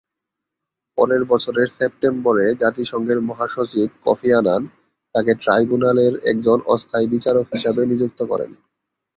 পরের বছরের সেপ্টেম্বরে জাতিসংঘের মহাসচিব কফি আনান, তাকে ট্রাইব্যুনালের একজন অস্থায়ী বিচারক হিসাবে নিযুক্ত করেন।